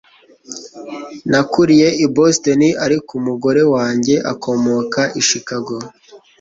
Nakuriye i Boston ariko umugore wanjye akomoka i Chicago